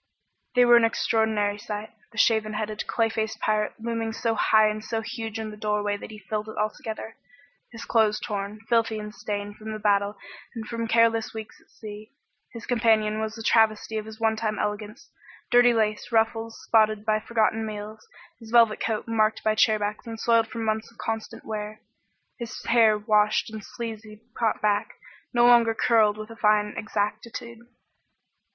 They were an extraordinary sight. The shaven headed, clay faced pirate looming so high and so huge in the doorway that he filled it altogether, his clothes torn, filthy and stained from the battle and from careless weeks at sea. His companion was a travesty of his onetime elegance, dirty lace ruffles spotted by forgotten meals, his velvet coat marked by chairbacks and soiled from months of constant wear, his hair unwashed and sleazily caught back, no longer curled with a fine exactitude.